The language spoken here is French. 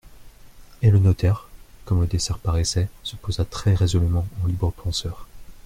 Et le notaire, comme le dessert paraissait, se posa très résolument en libre penseur.